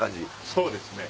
そうですね。